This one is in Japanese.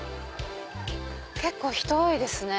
結構人多いですね。